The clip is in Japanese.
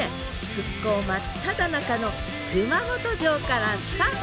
復興真っただ中の熊本城からスタート！